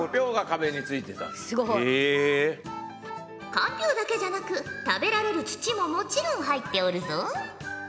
かんぴょうだけじゃなく食べられる土ももちろん入っておるぞ！